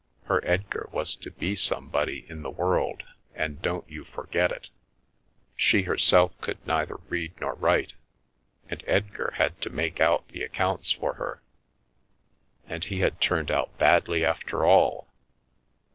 Her Edgar was to be somebody in the world, and don't you forget it! She herself could neither read nor write, and Edgar had to make out the accounts for her. And he had turned out badly after all!